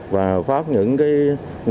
và phát những nội dung